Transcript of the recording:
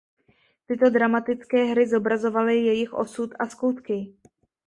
Tyto dramatické hry zobrazovaly jejich osud a skutky.